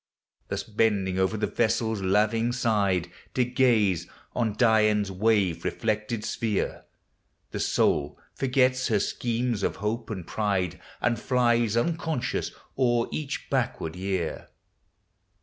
Thus bending o'er the vessel's laving side. To gaze on Dian's wave reflected sphere. The soul forgets her schemes of Hope and Pride, And Hies unconscious o'er each backward year.